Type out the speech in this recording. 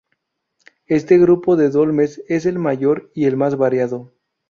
Este grupo de dólmenes es el mayor y el más variado.